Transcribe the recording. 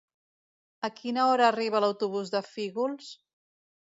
A quina hora arriba l'autobús de Fígols?